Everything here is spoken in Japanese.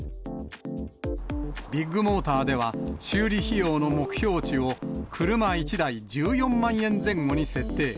ビッグモーターでは、修理費用の目標値を、車１台１４万円前後に設定。